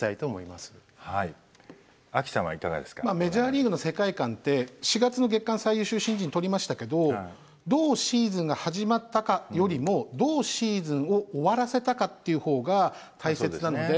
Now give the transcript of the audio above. まあメジャーリーグの世界観て４月の月間最優秀新人取りましたけどどうシーズンが始まったかよりもどうシーズンを終わらせたかという方が大切なので。